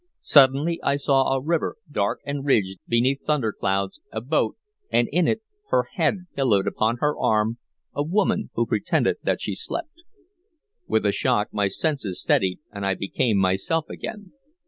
Suddenly I saw a river, dark and ridged beneath thunderclouds, a boat, and in it, her head pillowed upon her arm, a woman, who pretended that she slept. With a shock my senses steadied, and I became myself again.